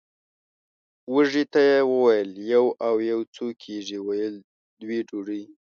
وږي ته یې وویل یو او یو څو کېږي ویل دوې ډوډۍ!